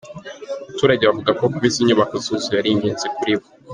Abaturage bavuga ko kuba izi nyubako zuzuye ari ingenzi kuri bo.